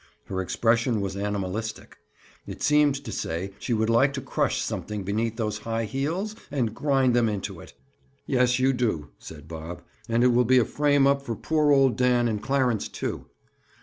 Her expression was animalistic. It seemed to say she would like to crush something beneath those high heels and grind them into it. "Yes, you do," said Bob. "And it will be a frame up for poor old Dan and Clarence, too!"